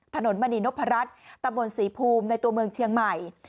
มณีนพรัชตะบนศรีภูมิในตัวเมืองเชียงใหม่